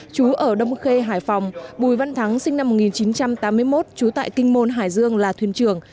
chú ở đông khê hải phòng bùi văn thắng sinh năm một nghìn chín trăm tám mươi một trú tại kinh môn hải dương là thuyền trưởng